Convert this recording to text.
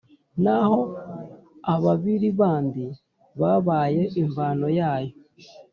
naho ababiri bandi babaye imvano yayo.